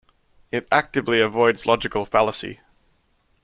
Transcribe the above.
It actively avoids logical fallacy.